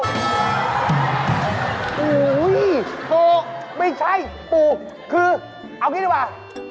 โอ้โหไม่ใช่ปู่คือเอางี้ดีกว่า